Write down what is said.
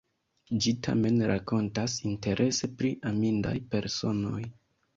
Ĝi tamen rakontas interese pri amindaj personoj.